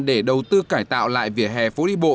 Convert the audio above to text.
để đầu tư cải tạo lại vỉa hè phố đi bộ